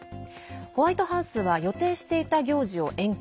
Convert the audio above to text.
ホワイトハウスは予定していた行事を延期。